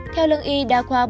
theo lương y đa qua bùi